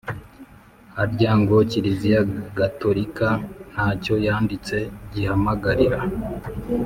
harya ngo kiliziya gatolika ntacyo yanditse gihamagarira